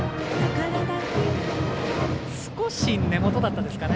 少し根元だったですかね。